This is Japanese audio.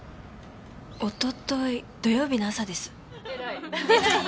おととい土曜日の朝です。